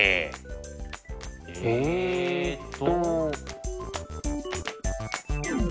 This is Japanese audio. えっと。